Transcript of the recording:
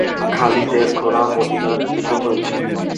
খালিদের ঘোড়া মদীনার দিকে চলছে।